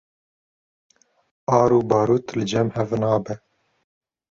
Ar û barût li cem hev nabe